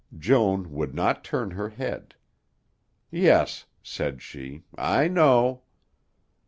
Joan would not turn her head. "Yes," said she, "I know."